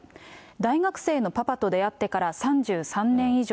大学生のパパと出会ってから３３年以上。